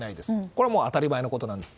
これはもう、当たり前のことです。